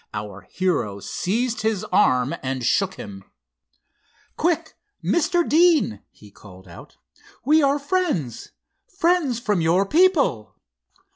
Our hero seized his arm and shook him. "Quick Mr. Deane!" he called out. "We are friends—friends from your people."